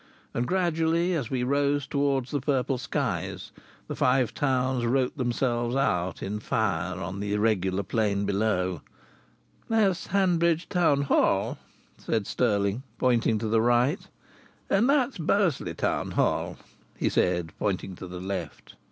And gradually, as we rose towards the purple skies, the Five Towns wrote themselves out in fire on the irregular plain below. "That's Hanbridge Town Hall," said Stirling, pointing to the right. "And that's Bursley Town Hall," he said, pointing to the left.